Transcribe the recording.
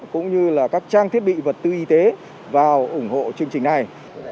cũng như là các trang thiết bị vật tư y tế vào ủng hộ chương trình này